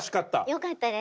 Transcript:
よかったです。